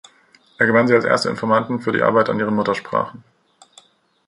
Er gewann sie als erste Informanten für die Arbeit an ihren Muttersprachen.